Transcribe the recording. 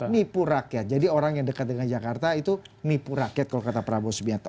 nipu rakyat jadi orang yang dekat dengan jakarta itu nipu rakyat kalau kata prabowo subianto